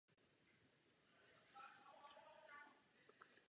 Vede zde také dálnice spojující obě největší srbská města.